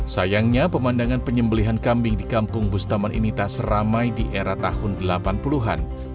sayangnya pemandangan penyembelihan kambing di kampung bustaman ini tak seramai di era tahun delapan puluh an